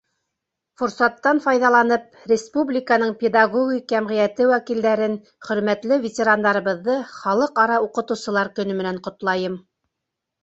— Форсаттан файҙаланып, республиканың педагогик йәмғиәте вәкилдәрен, хөрмәтле ветерандарыбыҙҙы Халыҡ-ара уҡытыусылар көнө менән ҡотлайым.